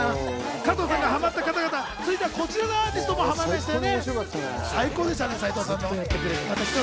加藤さんがハマった方々、続いてはこちらのアーティストにもハマりましたね。